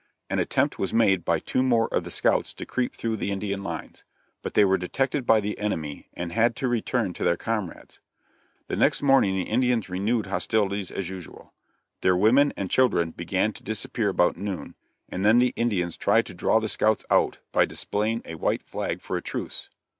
An attempt was made by two more of the scouts to creep through the Indian lines, but they were detected by the enemy and had to return to their comrades. The next morning the Indians renewed hostilities as usual. Their women and children began to disappear about noon, and then the Indians tried to draw the scouts out by displaying a white flag for a truce.